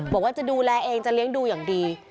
บอกว่าจะดูแลเองจะเลี้ยงดูอย่างดี